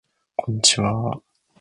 こんちはー